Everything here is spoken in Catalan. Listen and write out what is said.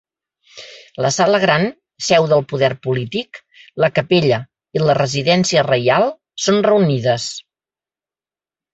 La sala gran, seu del poder polític, la capella i la residència reial són reunides.